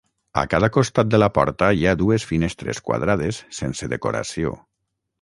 A cada costat de la porta hi ha dues finestres quadrades sense decoració.